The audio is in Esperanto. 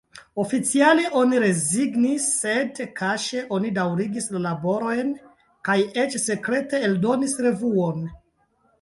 Oficiale, oni rezignis, sed kaŝe oni daŭrigis la laborojn kaj eĉ sekrete eldonis revuon.